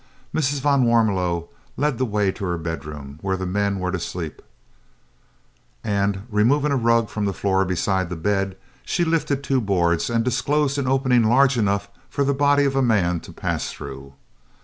Mrs. van Warmelo led the way to her bedroom, where the men were to sleep, and, removing a rug from the floor beside the bed, she lifted two boards and disclosed an opening large enough for the body of a man to pass through.